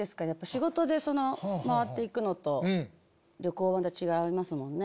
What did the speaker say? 仕事で回っていくのと旅行はまた違いますもんね。